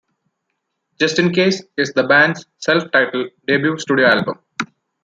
"Justincase" is the band's self-titled debut studio album.